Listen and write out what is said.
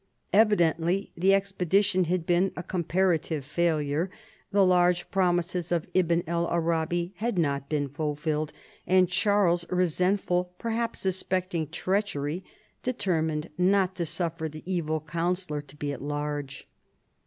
Evidently the expedition had been a com parative failure: the large promises of Ibn el Arabi had not been fulfilled, and Charles, resentful, per haps suspecting treachery, determined not to suffer the evil counsellor to be at large.